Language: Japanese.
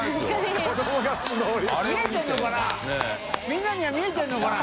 みんなには見えてるのかな？